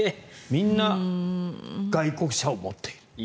みんな外国車を持っている。